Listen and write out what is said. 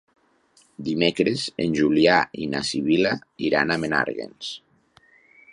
Dimecres en Julià i na Sibil·la iran a Menàrguens.